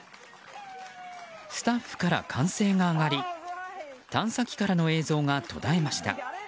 スタッフから歓声が上がり探査機からの映像が途絶えました。